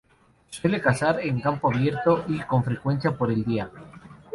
Suele cazar en campo abierto, y con frecuencia por el día.